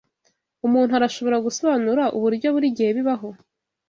Umuntu arashobora gusobanura uburyo burigihe bibaho?